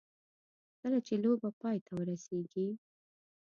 کله چې لوبه پای ته ورسېږي.